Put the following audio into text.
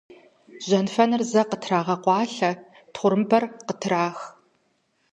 Жьэнфэныр зэ къытрагъэкъуалъэ, тхъурымбэр къытрах.